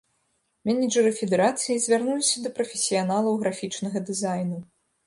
Менеджэры федэрацыі звярнуліся да прафесіяналаў графічнага дызайну.